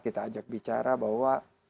kita ajak bicara bahwa